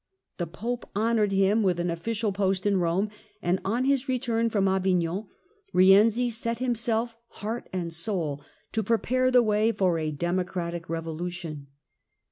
The Pope honoured him with an official post in Eome, and on his return from Avignon, Eienzi set himself heart and soul to prepare the way for a democratic revolution.